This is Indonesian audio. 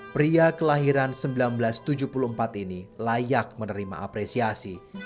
pria kelahiran seribu sembilan ratus tujuh puluh empat ini layak menerima apresiasi